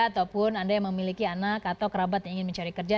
ataupun anda yang memiliki anak atau kerabat yang ingin mencari kerja